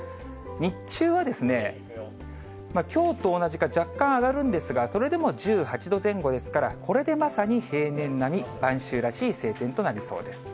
日中はきょうと同じか、若干上がるんですが、それでも１８度前後ですから、これでまさに平年並み、晩秋らしい晴天となりそうです。